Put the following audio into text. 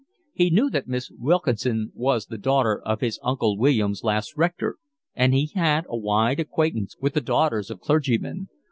He knew that Miss Wilkinson was the daughter of his Uncle William's last rector, and he had a wide acquaintance with the daughters of clergymen.